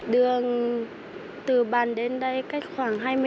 đường từ bàn đến đây cách khoảng hai mươi